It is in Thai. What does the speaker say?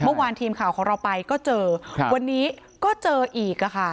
เมื่อวานทีมข่าวของเราไปก็เจอครับวันนี้ก็เจออีกอะค่ะ